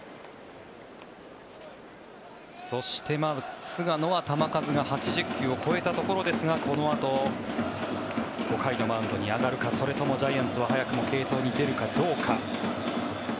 そして、菅野は球数が８０球を超えたところですがこのあと５回のマウンドに上がるかそれともジャイアンツは早くも継投に出るかどうか。